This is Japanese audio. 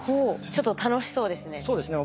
ちょっと楽しそうですね。